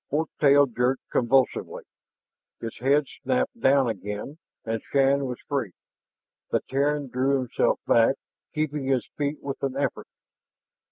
Fork tail jerked convulsively; its head snapped down again and Shann was free. The Terran threw himself back, keeping his feet with an effort.